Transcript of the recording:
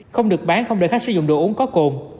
không được bán không để khách sử dụng đồ uống có cồn